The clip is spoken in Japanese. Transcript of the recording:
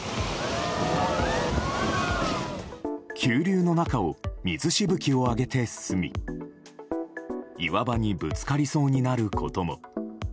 急流の中を水しぶきを上げて進み岩場にぶつかりそうになることも。